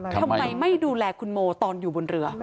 ทำไมไม่ดูแลคุณโมตอนอยู่บนเรือ